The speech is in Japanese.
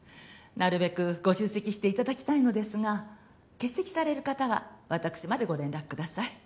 なるべくご出席していただきたいのですが欠席される方はわたくしまでご連絡ください。